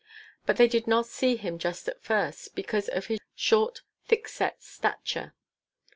But they did not see him just at first because of his short, thickset stature.